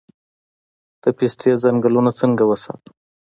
د پستې ځنګلونه څنګه وساتو؟